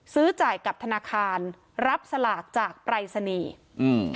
ซื้อจ่ายกับธนาคารรับสลากจากปรายศนีย์อืม